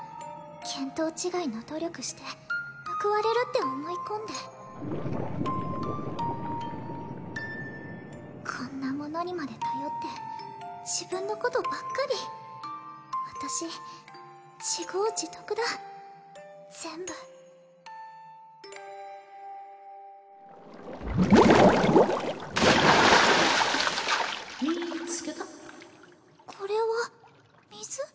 見当違いの努力して報われるって思い込んでこんなものにまで頼って自分のことばっかり私自業自得だ全部見ーつけたこれは水？